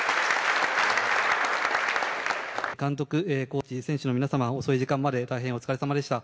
監督、コーチ、選手の皆様遅い時間まで大変お疲れさまでした。